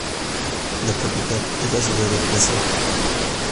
La capital es la ciudad de Prešov.